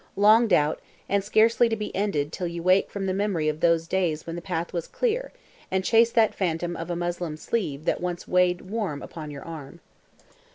Long doubt, and scarcely to be ended till you wake from the memory of those days when the path was clear, and chase that phantom of a muslin sleeve that once weighed warm upon your arm.